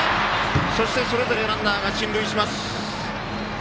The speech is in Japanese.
そして、それぞれランナーが進塁します。